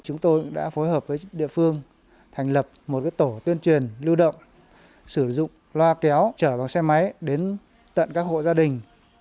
chúng tôi đã phối hợp với địa phương thành lập một tổ tuyên truyền lưu động sử dụng loa kéo chở bằng xe máy đến tận các hộ gia đình